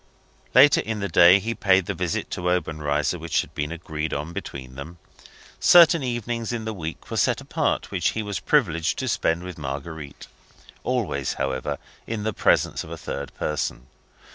Later in the day he paid the visit to Obenreizer which had been agreed on between them. Certain evenings in the week were set apart which he was privileged to spend with Marguerite always, however, in the presence of a third person.